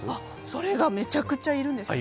それがめちゃくちゃいるんですよ。